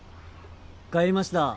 帰りました。